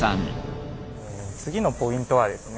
次のポイントはですね